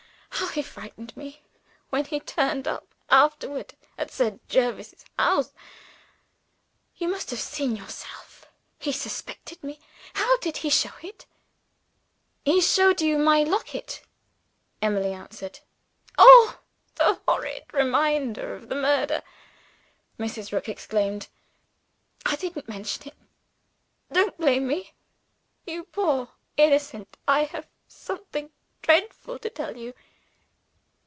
how he frightened me, when he turned up afterward at Sir Jervis's house.) You must have seen yourself he suspected me. How did he show it?" "He showed you my locket," Emily answered. "Oh, the horrid reminder of the murder!" Mrs. Rook exclaimed. "I didn't mention it: don't blame Me. You poor innocent, I have something dreadful to tell you."